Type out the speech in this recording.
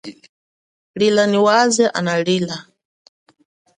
Lila nyi waze ana lila.